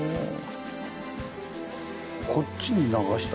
こっちに流した。